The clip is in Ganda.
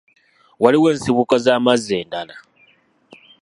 Waliwo ensibuko z'amazzi endala.